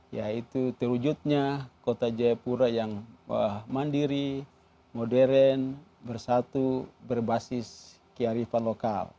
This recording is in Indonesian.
yaitu terwujudnya kota jayapura yang mandiri modern bersatu berbasis kiarifan lokal